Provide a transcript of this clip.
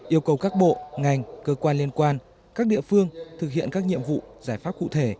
yêu cầu các bộ ngành cơ quan liên quan các địa phương thực hiện các nhiệm vụ giải pháp cụ thể